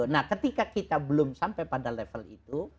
nah ketika kita belum sampai pada level itu